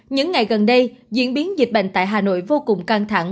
những ngày gần đây diễn biến dịch bệnh tại hà nội vô cùng căng thẳng